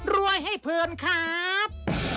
รวยให้เพลินครับ